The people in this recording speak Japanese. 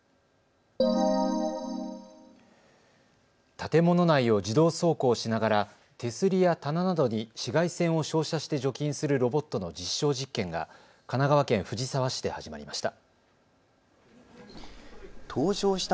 建物内を自動走行しながら手すりや棚などに紫外線を照射して除菌するロボットの実証実験が神奈川県藤沢市で始まりました。